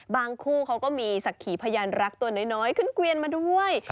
คู่เขาก็มีศักดิ์ขีพยานรักตัวน้อยขึ้นเกวียนมาด้วย